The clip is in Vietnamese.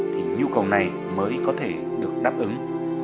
thì nhu cầu này mới có thể được đáp ứng